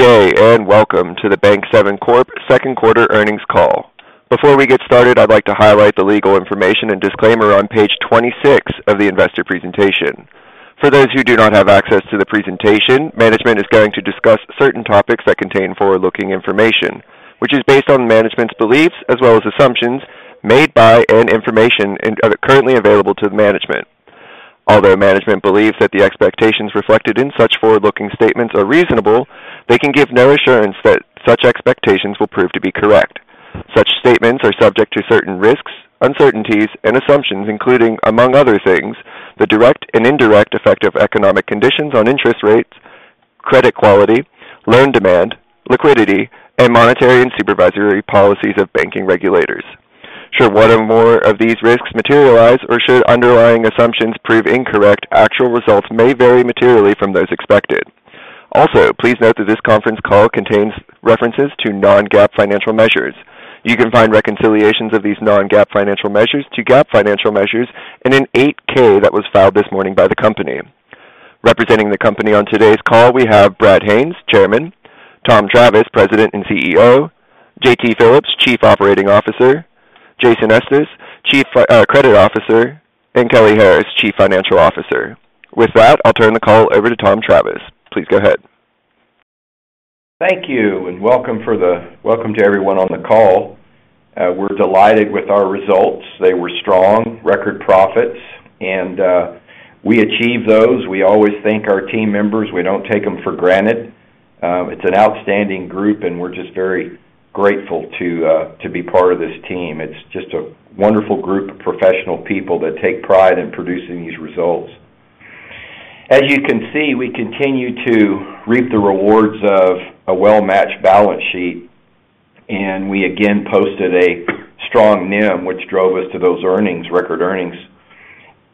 Good day, and welcome to the Bank7 Corp. second quarter earnings call. Before we get started, I'd like to highlight the legal information and disclaimer on page 26 of the investor presentation. For those who do not have access to the presentation, management is going to discuss certain topics that contain forward-looking information, which is based on management's beliefs as well as assumptions made by management and information currently available to management. Although management believes that the expectations reflected in such forward-looking statements are reasonable, they can give no assurance that such expectations will prove to be correct. Such statements are subject to certain risks, uncertainties, and assumptions, including, among other things, the direct and indirect effect of economic conditions on interest rates, credit quality, loan demand, liquidity, and monetary and supervisory policies of banking regulators. Should one or more of these risks materialize, or should underlying assumptions prove incorrect, actual results may vary materially from those expected. Also, please note that this conference call contains references to non-GAAP financial measures. You can find reconciliations of these non-GAAP financial measures to GAAP financial measures in an 8-K that was filed this morning by the company. Representing the company on today's call, we have Brad Haines, Chairman, Tom Travis, President and CEO, J.T. Phillips, Chief Operating Officer, Jason Estes, Chief Credit Officer, and Kelly Harris, Chief Financial Officer. With that, I'll turn the call over to Tom Travis. Please go ahead. Thank you, and welcome to everyone on the call. We're delighted with our results. They were strong, record profits, and we achieved those. We always thank our team members. We don't take them for granted. It's an outstanding group, and we're just very grateful to be part of this team. It's just a wonderful group of professional people that take pride in producing these results. As you can see, we continue to reap the rewards of a well-matched balance sheet, and we again posted a strong NIM, which drove us to those earnings, record earnings.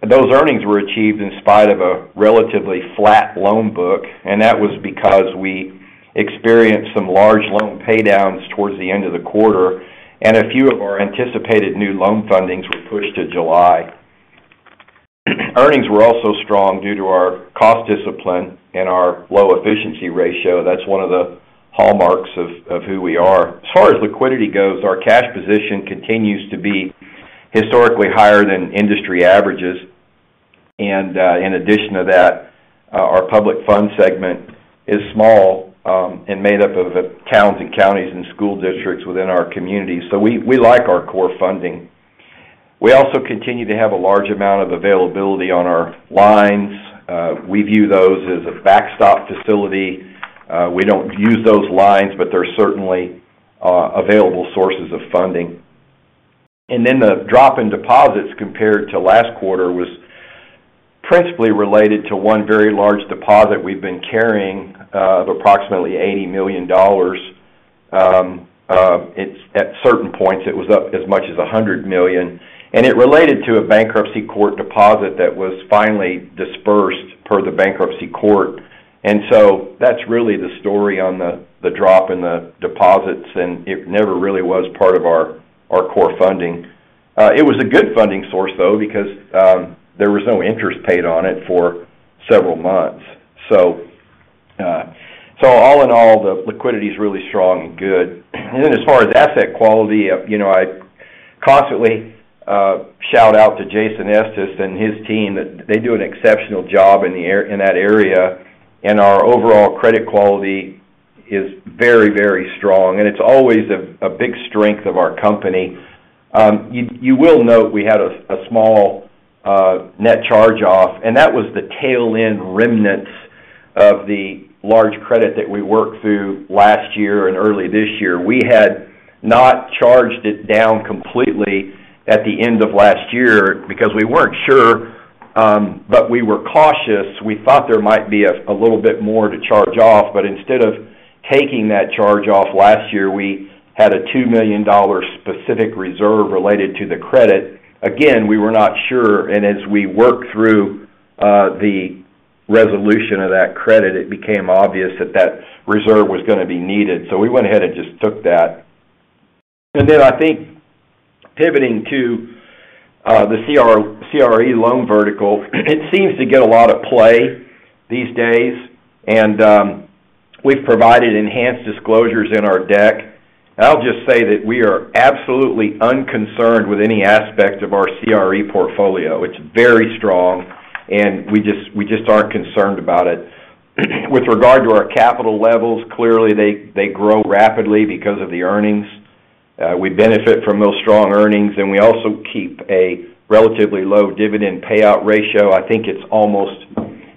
Those earnings were achieved in spite of a relatively flat loan book, and that was because we experienced some large loan paydowns towards the end of the quarter, and a few of our anticipated new loan fundings were pushed to July. Earnings were also strong due to our cost discipline and our low efficiency ratio. That's one of the hallmarks of who we are. As far as liquidity goes, our cash position continues to be historically higher than industry averages. In addition to that, our public funds segment is small, and made up of the towns and counties and school districts within our community. So we like our core funding. We also continue to have a large amount of availability on our lines. We view those as a backstop facility. We don't use those lines, but they're certainly available sources of funding. Then the drop in deposits compared to last quarter was principally related to one very large deposit we've been carrying of approximately $80 million. At certain points, it was up as much as $100 million, and it related to a bankruptcy court deposit that was finally disbursed per the bankruptcy court. So that's really the story on the drop in the deposits, and it never really was part of our core funding. It was a good funding source, though, because there was no interest paid on it for several months. So all in all, the liquidity is really strong and good. And then as far as asset quality, you know, I constantly shout out to Jason Estes and his team that they do an exceptional job in that area, and our overall credit quality is very, very strong, and it's always a big strength of our company. You will note we had a small net charge-off, and that was the tail-end remnants of the large credit that we worked through last year and early this year. We had not charged it down completely at the end of last year because we weren't sure, but we were cautious. We thought there might be a little bit more to charge off, but instead of taking that charge off last year, we had a $2 million specific reserve related to the credit. Again, we were not sure, and as we worked through the resolution of that credit, it became obvious that that reserve was gonna be needed, so we went ahead and just took that. And then I think pivoting to the CRE loan vertical, it seems to get a lot of play these days, and we've provided enhanced disclosures in our deck. I'll just say that we are absolutely unconcerned with any aspect of our CRE portfolio. It's very strong, and we just, we just aren't concerned about it. With regard to our capital levels, clearly, they, they grow rapidly because of the earnings. We benefit from those strong earnings, and we also keep a relatively low dividend payout ratio. I think it's almost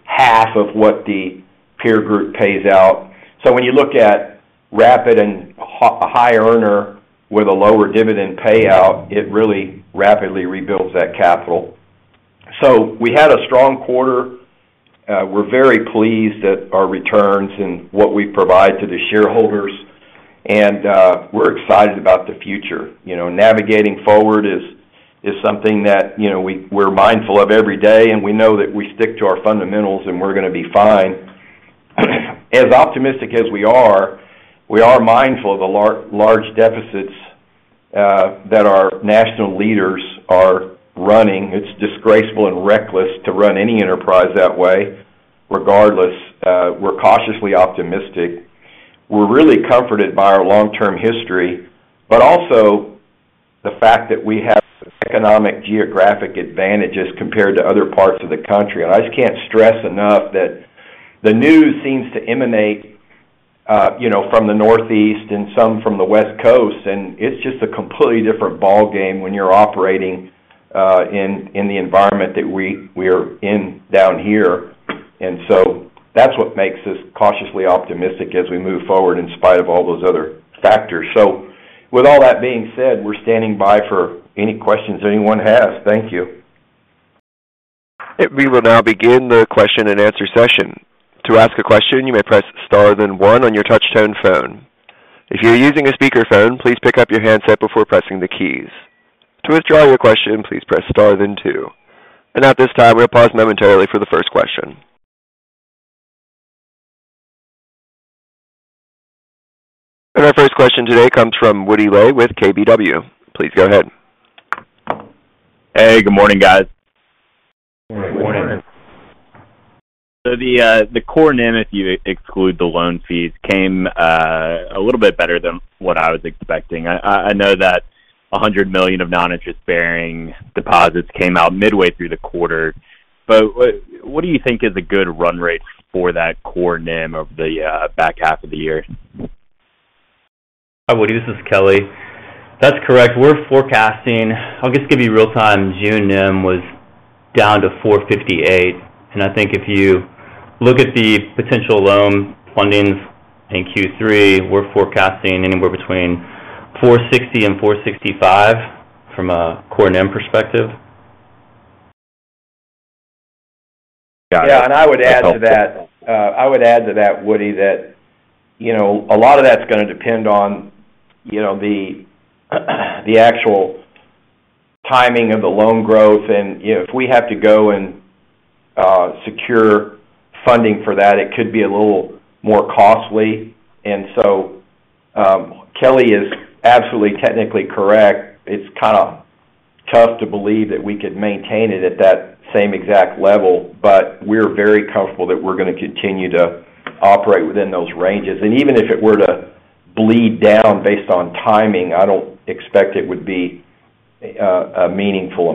half of what the peer group pays out. So when you look at rapid and a high earner with a lower dividend payout, it really rapidly rebuilds that capital. So we had a strong quarter. We're very pleased at our returns and what we provide to the shareholders, and we're excited about the future. You know, navigating forward is something that, you know, we're mindful of every day, and we know that we stick to our fundamentals, and we're gonna be fine. As optimistic as we are, we are mindful of the large deficits that our national leaders are running. It's disgraceful and reckless to run any enterprise that way. Regardless, we're cautiously optimistic. We're really comforted by our long-term history, but also the fact that we have economic geographic advantages compared to other parts of the country. And I just can't stress enough that the news seems to emanate, you know, from the Northeast and some from the West Coast, and it's just a completely different ballgame when you're operating in the environment that we're in down here. And so that's what makes us cautiously optimistic as we move forward in spite of all those other factors. So with all that being said, we're standing by for any questions anyone has. Thank you. We will now begin the question-and-answer session. To ask a question, you may press star, then one on your touchtone phone. If you're using a speakerphone, please pick up your handset before pressing the keys. To withdraw your question, please press star, then two. At this time, we'll pause momentarily for the first question. Our first question today comes from Woody Lay with KBW. Please go ahead. Hey, good morning, guys. Good morning. So the core NIM, if you exclude the loan fees, came a little bit better than what I was expecting. I know that $100 million of non-interest-bearing deposits came out midway through the quarter, but what do you think is a good run rate for that core NIM of the back half of the year? Hi, Woody. This is Kelly. That's correct. We're forecasting... I'll just give you real time. June NIM was down to 4.58%, and I think if you look at the potential loan fundings in Q3, we're forecasting anywhere between 4.60% and 4.65% from a core NIM perspective. Yeah, and I would add to that, Woody, that, you know, a lot of that's gonna depend on, you know, the actual timing of the loan growth. And, you know, if we have to go and secure funding for that, it could be a little more costly. And so, Kelly is absolutely technically correct. It's kind of tough to believe that we could maintain it at that same exact level, but we're very comfortable that we're gonna continue to operate within those ranges. And even if it were to bleed down based on timing, I don't expect it would be a meaningful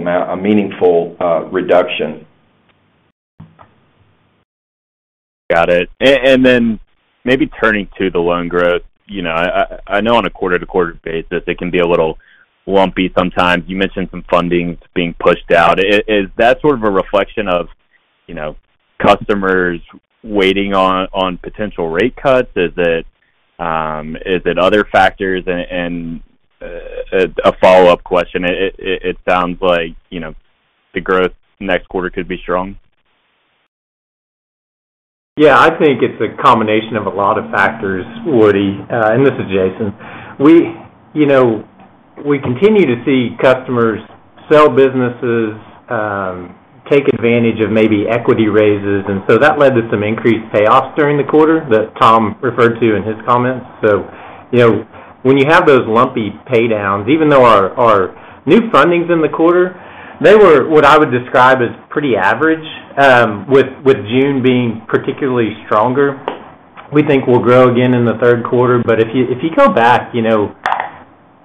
reduction. Got it. And then maybe turning to the loan growth, you know, I know on a quarter-to-quarter basis, it can be a little lumpy sometimes. You mentioned some fundings being pushed out. Is that sort of a reflection of, you know, customers waiting on potential rate cuts? Is it other factors? And a follow-up question. It sounds like, you know, the growth next quarter could be strong. Yeah, I think it's a combination of a lot of factors, Woody, and this is Jason. We, you know, we continue to see customers sell businesses, take advantage of maybe equity raises, and so that led to some increased payoffs during the quarter that Tom referred to in his comments. So, you know, when you have those lumpy pay downs, even though our new fundings in the quarter, they were what I would describe as pretty average, with June being particularly stronger. We think we'll grow again in the third quarter, but if you go back, you know,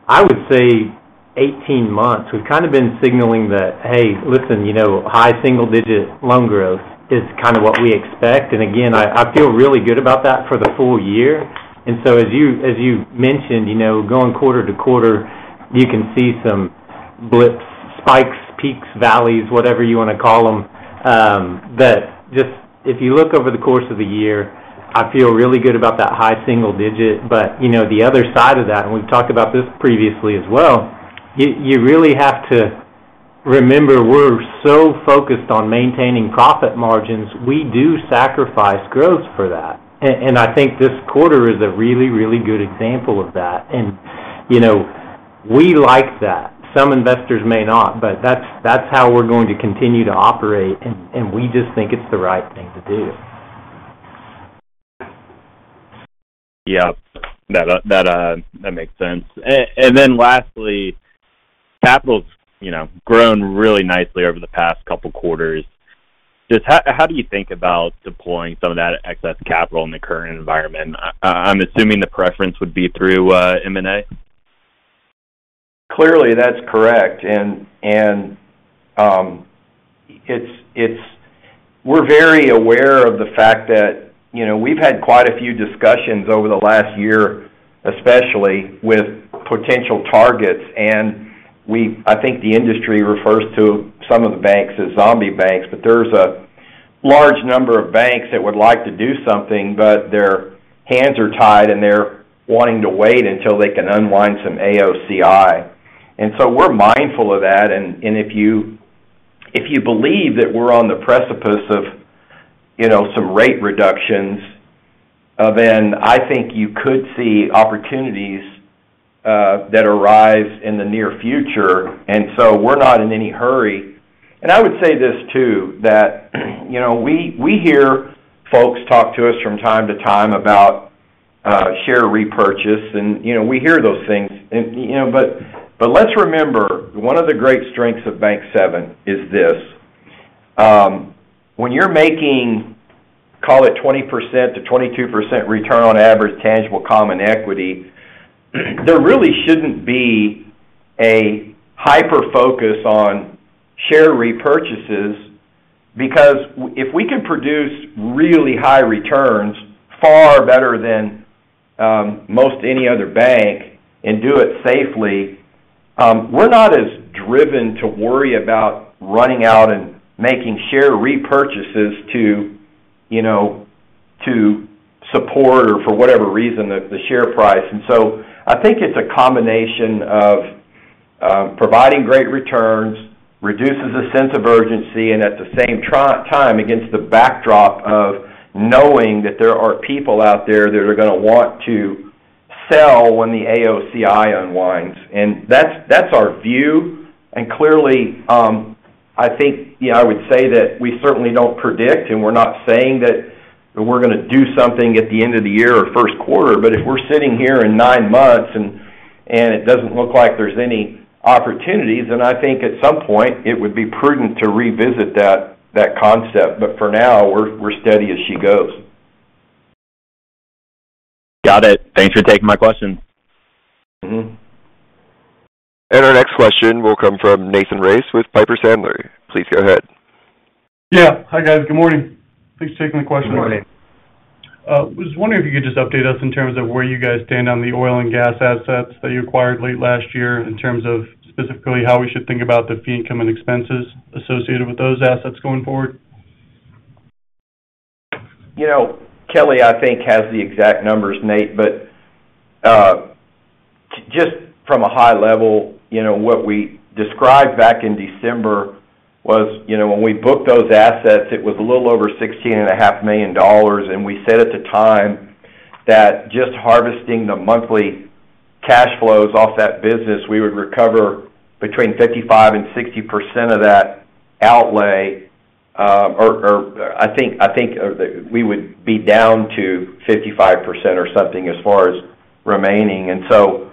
I would say 18 months, we've kind of been signaling that, hey, listen, you know, high single-digit loan growth is kind of what we expect. And again, I feel really good about that for the full year. And so as you mentioned, you know, going quarter to quarter, you can see some blips, spikes, peaks, valleys, whatever you want to call them. But just if you look over the course of the year, I feel really good about that high single digit. But, you know, the other side of that, and we've talked about this previously as well, you really have to remember, we're so focused on maintaining profit margins, we do sacrifice growth for that. And I think this quarter is a really, really good example of that. And, you know, we like that. Some investors may not, but that's how we're going to continue to operate, and we just think it's the right thing to do. Yep, that makes sense. And then lastly, capital's, you know, grown really nicely over the past couple quarters. Just how do you think about deploying some of that excess capital in the current environment? I'm assuming the preference would be through M&A. Clearly, that's correct. And we're very aware of the fact that, you know, we've had quite a few discussions over the last year, especially with potential targets, and I think the industry refers to some of the banks as zombie banks, but there's a large number of banks that would like to do something, but their hands are tied, and they're wanting to wait until they can unwind some AOCI. And so we're mindful of that. And if you believe that we're on the precipice of, you know, some rate reductions, then I think you could see opportunities that arise in the near future. And so we're not in any hurry.... I would say this, too, that, you know, we hear folks talk to us from time to time about share repurchase, and, you know, we hear those things. But let's remember, one of the great strengths of Bank7 is this: when you're making, call it 20%-22% return on average tangible common equity, there really shouldn't be a hyper focus on share repurchases, because if we can produce really high returns, far better than most any other bank, and do it safely, we're not as driven to worry about running out and making share repurchases to, you know, to support or for whatever reason, the share price. And so I think it's a combination of providing great returns, reduces a sense of urgency, and at the same time, against the backdrop of knowing that there are people out there that are going to want to sell when the AOCI unwinds. And that's, that's our view. And clearly, I think, yeah, I would say that we certainly don't predict, and we're not saying that we're going to do something at the end of the year or first quarter. But if we're sitting here in nine months and, and it doesn't look like there's any opportunities, then I think at some point, it would be prudent to revisit that, that concept. But for now, we're, we're steady as she goes. Got it. Thanks for taking my question. Mm-hmm. Our next question will come from Nathan Race with Piper Sandler. Please go ahead. Yeah. Hi, guys. Good morning. Thanks for taking the question. Good morning. Was wondering if you could just update us in terms of where you guys stand on the oil and gas assets that you acquired late last year, in terms of specifically how we should think about the fee income and expenses associated with those assets going forward? You know, Kelly, I think, has the exact numbers, Nate, but, just from a high level, you know, what we described back in December was, you know, when we booked those assets, it was a little over $16.5 million. And we said at the time that just harvesting the monthly cash flows off that business, we would recover between 55% and 60% of that outlay, or I think that we would be down to 55% or something as far as remaining. And so,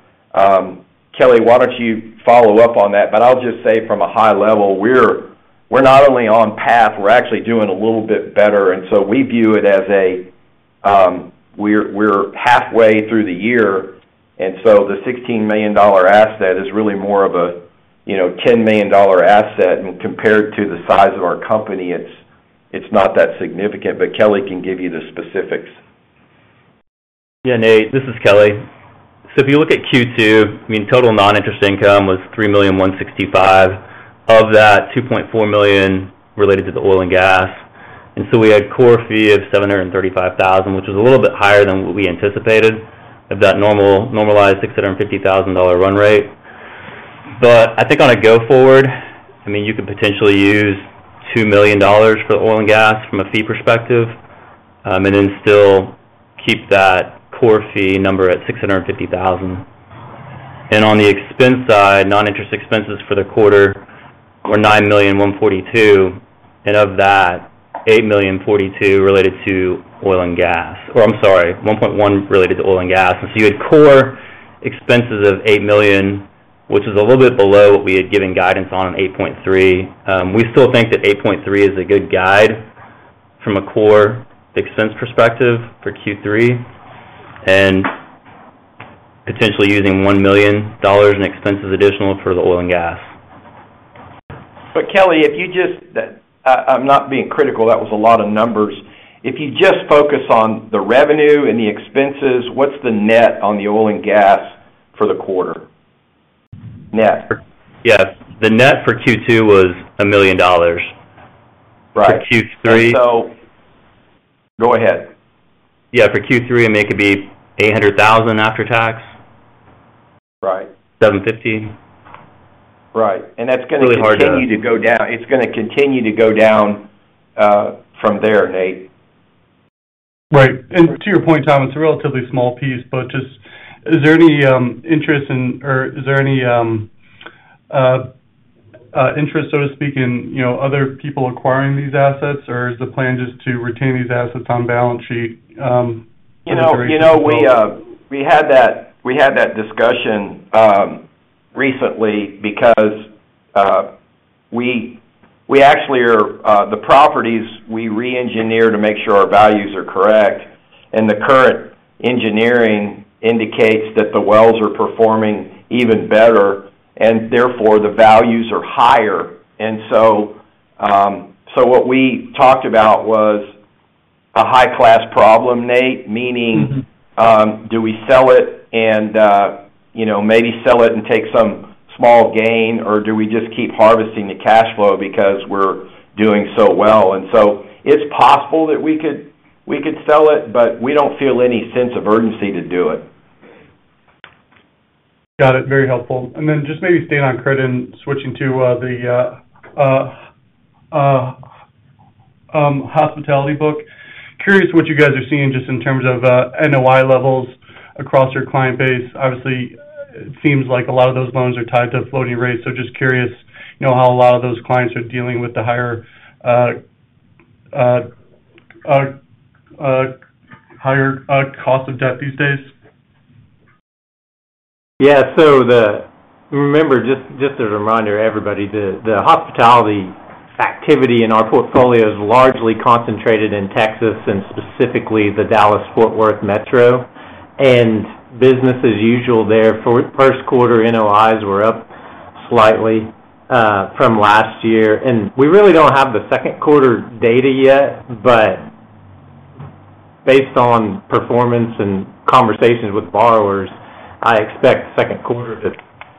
Kelly, why don't you follow up on that? But I'll just say, from a high level, we're not only on path, we're actually doing a little bit better, and so we view it as a, we're halfway through the year, and so the $16 million asset is really more of a, you know, $10 million asset. And compared to the size of our company, it's not that significant. But Kelly can give you the specifics. Yeah, Nate, this is Kelly. So if you look at Q2, I mean, total non-interest income was $3.165 million. Of that, $2.4 million related to the oil and gas. And so we had core fee of $735,000, which is a little bit higher than what we anticipated, of that normalized $650,000 dollar run rate. But I think on a go-forward, I mean, you could potentially use $2 million for the oil and gas from a fee perspective, and then still keep that core fee number at $650,000. And on the expense side, non-interest expenses for the quarter were $9.142 million, and of that, $8.042 million related to oil and gas. Or I'm sorry, $1.1 million related to oil and gas. And so you had core expenses of $8 million, which is a little bit below what we had given guidance on, $8.3 million. We still think that $8.3 million is a good guide from a core expense perspective for Q3, and potentially using $1 million in expenses additional for the oil and gas. But Kelly, if you just... I'm not being critical, that was a lot of numbers. If you just focus on the revenue and the expenses, what's the net on the oil and gas for the quarter? Net. Yes. The net for Q2 was $1 million. Right. For Q3- And so... Go ahead. Yeah, for Q3, I mean, it could be $800,000 after tax. Right. $715,000. Right. And that's going to continue to go down. It's going to continue to go down from there, Nate. Right. And to your point, Tom, it's a relatively small piece, but just, is there any interest in- or is there any interest, so to speak, in, you know, other people acquiring these assets? Or is the plan just to retain these assets on balance sheet, for the duration as well? You know, we had that discussion recently because we actually are... the properties we re-engineer to make sure our values are correct, and the current engineering indicates that the wells are performing even better, and therefore, the values are higher. So, what we talked about was a high-class problem, Nate. Meaning, do we sell it and, you know, maybe sell it and take some small gain, or do we just keep harvesting the cash flow because we're doing so well? And so it's possible that we could, we could sell it, but we don't feel any sense of urgency to do it. Got it. Very helpful. And then just maybe staying on credit and switching to the hospitality book. Curious what you guys are seeing just in terms of NOI levels across your client base. Obviously, it seems like a lot of those loans are tied to floating rates. So just curious, you know, how a lot of those clients are dealing with the higher cost of debt these days? Yeah. So remember, just as a reminder, everybody, the hospitality activity in our portfolio is largely concentrated in Texas and specifically the Dallas-Fort Worth metro. Business as usual there, for first quarter, NOIs were up slightly from last year. We really don't have the second quarter data yet. But based on performance and conversations with borrowers, I expect second quarter to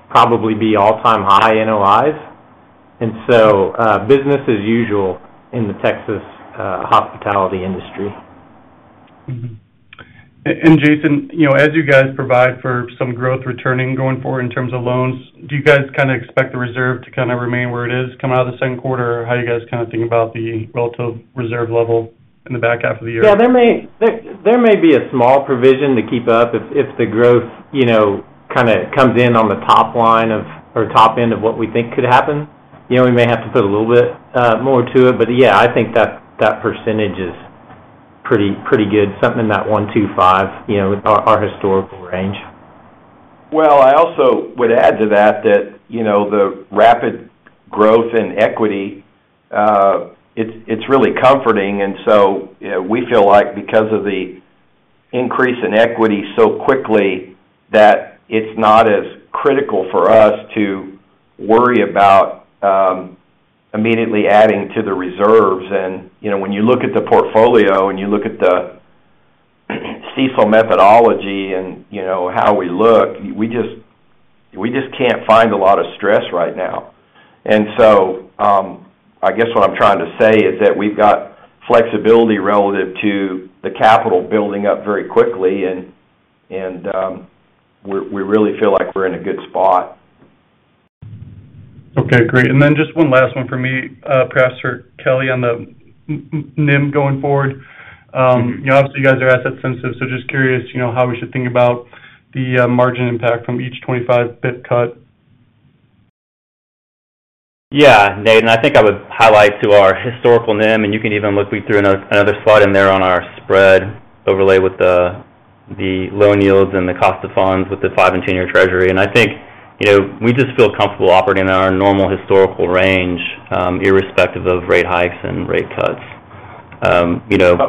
probably be all-time high NOIs. So business as usual in the Texas hospitality industry. Mm-hmm. And Jason, you know, as you guys provide for some growth returning going forward in terms of loans, do you guys kinda expect the reserve to kinda remain where it is coming out of the second quarter? Or how do you guys kinda think about the relative reserve level in the back half of the year? Yeah, there may be a small provision to keep up if the growth, you know, kinda comes in on the top line of, or top end of what we think could happen. You know, we may have to put a little bit more to it. But, yeah, I think that percentage is pretty good, something in that one to five, you know, our historical range. Well, I also would add to that, you know, the rapid growth in equity, it's really comforting, and so, we feel like because of the increase in equity so quickly, that it's not as critical for us to worry about immediately adding to the reserves. And, you know, when you look at the portfolio, and you look at the CECL methodology, and, you know, how we look, we just can't find a lot of stress right now. And so, I guess what I'm trying to say is that we've got flexibility relative to the capital building up very quickly, and we really feel like we're in a good spot. Okay, great. And then just one last one for me, perhaps for Kelly on the NIM going forward. You know, obviously, you guys are asset sensitive, so just curious, you know, how we should think about the margin impact from each 25 pip cut. Yeah, Nate, and I think I would highlight to our historical NIM, and you can even look. We threw another, another spot in there on our spread overlay with the loan yields and the cost of funds with the 5 and 10-year Treasury. And I think, you know, we just feel comfortable operating in our normal historical range, irrespective of rate hikes and rate cuts. You know,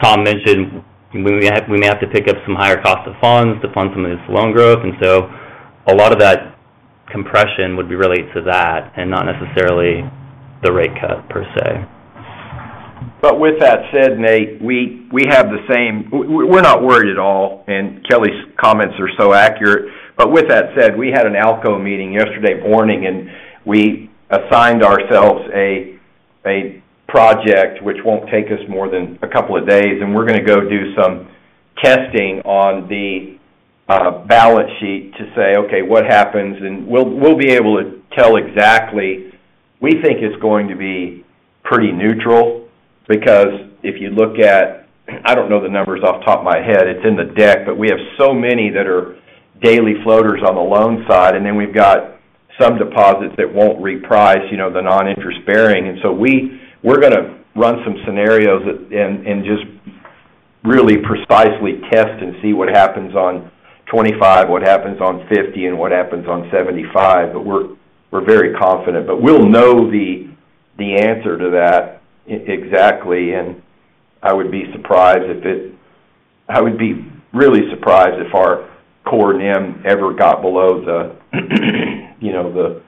Tom mentioned we may have, we may have to pick up some higher cost of funds to fund some of this loan growth, and so a lot of that compression would be related to that and not necessarily the rate cut per se. But with that said, Nate, we have the same. We're not worried at all, and Kelly's comments are so accurate. But with that said, we had an ALCO meeting yesterday morning, and we assigned ourselves a project which won't take us more than a couple of days, and we're gonna go do some testing on the balance sheet to say, okay, what happens? And we'll be able to tell exactly. We think it's going to be pretty neutral because if you look at, I don't know the numbers off the top of my head, it's in the deck, but we have so many that are daily floaters on the loan side, and then we've got some deposits that won't reprice, you know, the non-interest bearing. So we're gonna run some scenarios and just really precisely test and see what happens on 25, what happens on 50, and what happens on 75. But we're very confident. But we'll know the answer to that exactly, and I would be really surprised if our core NIM ever got below the, you know, the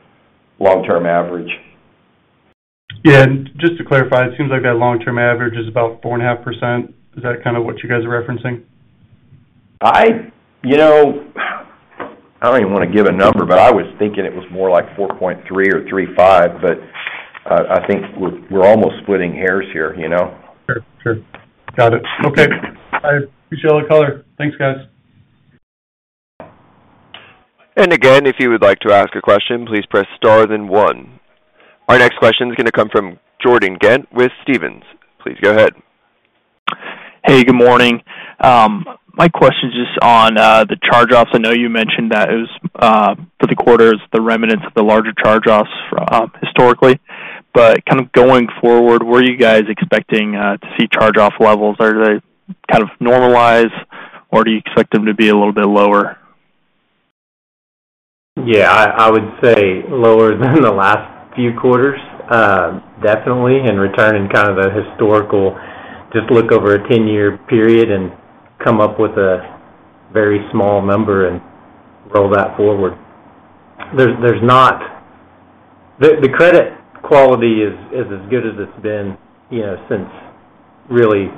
long-term average. Yeah, just to clarify, it seems like that long-term average is about 4.5%. Is that kinda what you guys are referencing? You know, I don't even wanna give a number, but I was thinking it was more like 4.3% or 3.5%, but I think we're almost splitting hairs here, you know? Sure, sure. Got it. Okay. I appreciate all the color. Thanks, guys. And again, if you would like to ask a question, please press star then one. Our next question is gonna come from Jordan Ghent with Stephens. Please go ahead. Hey, good morning. My question is just on the charge-offs. I know you mentioned that it was for the quarters, the remnants of the larger charge-offs historically, but kind of going forward, were you guys expecting to see charge-off levels? Are they kind of normalize, or do you expect them to be a little bit lower? Yeah, I would say lower than the last few quarters, definitely, and returning kind of the historical... Just look over a 10-year period and come up with a very small number and roll that forward. There's not. The credit quality is as good as it's been, you know, since really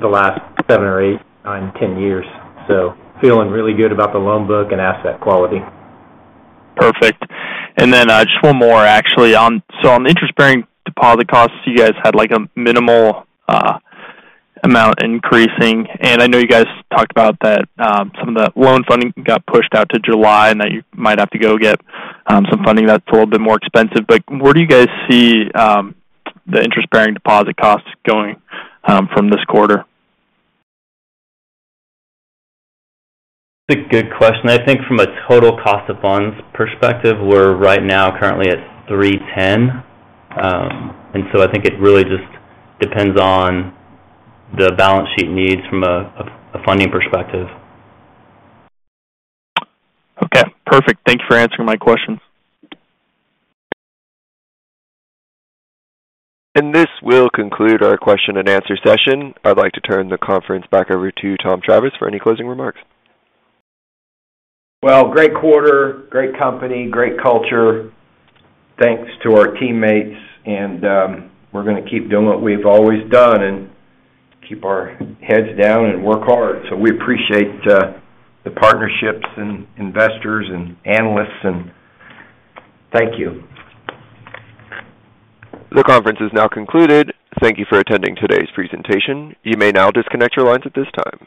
the last 7 or 8, 9, 10 years. So feeling really good about the loan book and asset quality. Perfect. And then, just one more actually. So on interest-bearing deposit costs, you guys had, like, a minimal amount increasing. And I know you guys talked about that, some of the loan funding got pushed out to July, and that you might have to go get some funding that's a little bit more expensive. But where do you guys see the interest-bearing deposit costs going from this quarter? It's a good question. I think from a total cost of funds perspective, we're right now currently at 3.10%. And so I think it really just depends on the balance sheet needs from a funding perspective. Okay, perfect. Thank you for answering my question. This will conclude our question and answer session. I'd like to turn the conference back over to Tom Travis for any closing remarks. Well, great quarter, great company, great culture. Thanks to our teammates, and we're gonna keep doing what we've always done and keep our heads down and work hard. So we appreciate the partnerships and investors and analysts, and thank you. The conference is now concluded. Thank you for attending today's presentation. You may now disconnect your lines at this time.